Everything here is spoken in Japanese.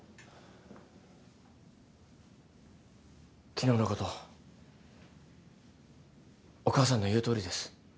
昨日のことお母さんの言うとおりです。